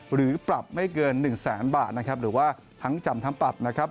หรือปรับไม่เกิน๑แสนบาทนะครับหรือว่าทั้งจำทั้งปรับนะครับ